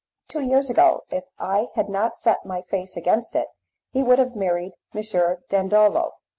Two years ago, if I had not set my face against it, he would have married M. Dandolo.